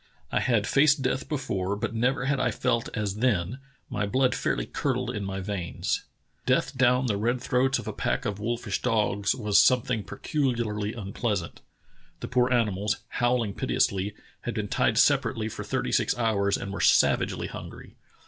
I had faced death before, but never had I felt as then; m}" blood fairly curdled in my veins. Death down the 128 True Tales of Arctic Heroism red throats of a pack of wolnsh dogs was something peculiarly unpleasant. ... The poor animals, howl ing piteously, had been tied separately for th!rt3^ six hours and were savagely hungry.